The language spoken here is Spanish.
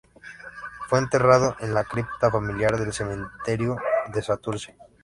Fue enterrado en la cripta familiar del cementerio de Santurce.